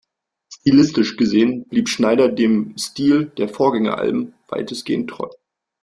Stilistisch gesehen blieb Schneider dem Stil der Vorgängeralben weitestgehend treu.